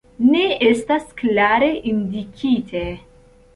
Ne estas klare indikite.